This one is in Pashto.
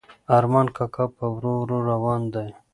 ارمان کاکا په ورو ورو روان دی.